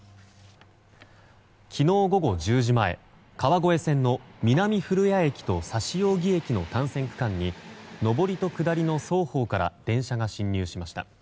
昨日午後１０時前川越線の南古谷駅と指扇駅の単線区間に上りと下りの双方から電車が進入しました。